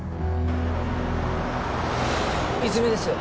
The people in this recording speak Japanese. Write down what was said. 泉です